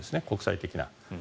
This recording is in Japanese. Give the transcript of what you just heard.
国際的な。